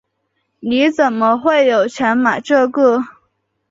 你怎么会有钱买这个？